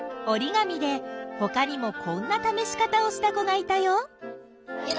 おりがみでほかにもこんなためし方をした子がいたよ。